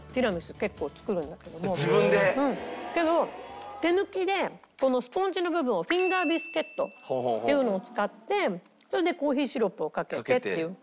けど手抜きでこのスポンジの部分をフィンガービスケットっていうのを使ってそれでコーヒーシロップをかけてっていう。